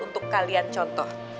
untuk kalian contoh